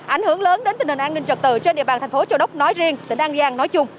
ảnh hưởng lớn đến tình hình an ninh trật tự trên địa bàn thành phố châu đốc nói riêng tỉnh an giang nói chung